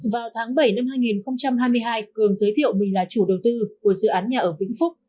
vào tháng bảy năm hai nghìn hai mươi hai cường giới thiệu mình là chủ đầu tư của dự án nhà ở vĩnh phúc